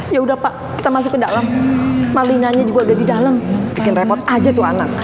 ya udah pak kita masuk ke dalam malinanya juga udah di dalam bikin repot aja tuh anak